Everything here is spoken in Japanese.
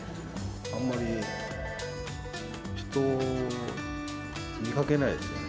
あんまり人を見かけないですよね。